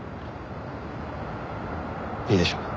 いいでしょう。